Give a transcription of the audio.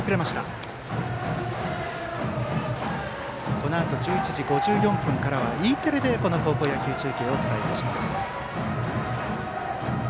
このあと１１時５４分からはＥテレで高校野球中継をお伝えいたします。